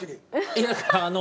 いやあの。